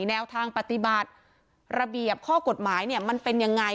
แนวทางปฏิบัติระเบียบข้อกฎหมายเนี่ยมันเป็นยังไง